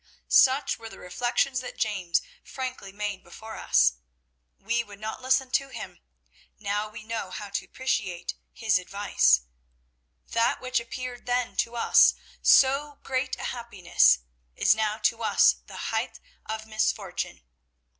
Such were the reflections that James frankly made before us. We would not listen to him now we know how to appreciate his advice. That which appeared then to us so great a happiness is now to us the height of misfortune.